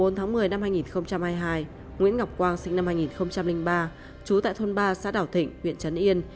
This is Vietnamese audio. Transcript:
ngày bốn một mươi hai nghìn hai mươi hai nguyễn ngọc quang sinh năm hai nghìn ba trú tại thôn ba xã đảo thịnh huyện trấn yên